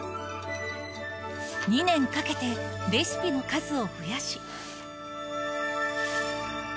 ２年かけてレシピの数を増やし。